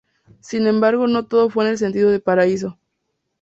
Sin embargo no todo fue en el sentido de Paraíso.